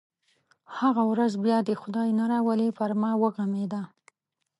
هغه ورځ بیا دې یې خدای نه راولي پر ما وغمېده.